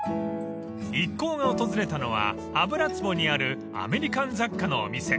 ［一行が訪れたのは油壺にあるアメリカン雑貨のお店］